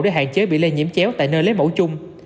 để hạn chế bị lây nhiễm chéo tại nơi lấy mẫu chung